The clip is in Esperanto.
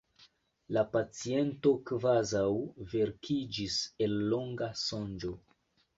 La paciento kvazaŭ vekiĝis el longa sonĝo.